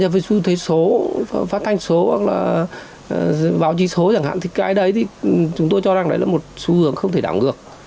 với số phát thanh số hoặc báo chí số chẳng hạn chúng tôi cho rằng đó là một xu hướng không thể đảo ngược